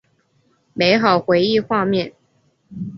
美好回忆画面